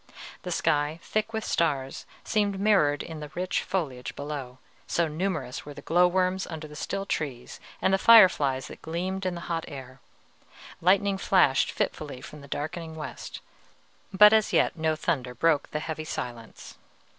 The sky, thick with stars, seemed mirrored in the rich foliage below, so numerous were the glow worms under the still trees, and the fireflies that gleamed in the hot air. Lightning flashed fitfully from the darkening west; but as yet no thunder broke the heavy silence.